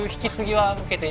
はい。